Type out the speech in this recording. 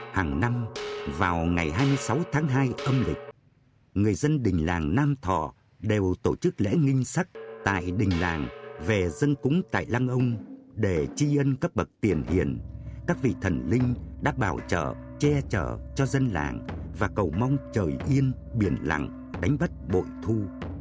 hàng năm vào ngày hai mươi sáu tháng hai âm lịch người dân đình làng nam thọ đều tổ chức lễ nghinh sắc tại đình làng về dân cúng tại lăng ông để tri ân các bậc tiền hiền các vị thần linh đã bảo trợ che trợ cho dân làng và cầu mong trời yên biển lặng đánh bắt bội thu